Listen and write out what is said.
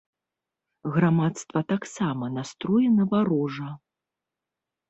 Грамадства таксама настроена варожа.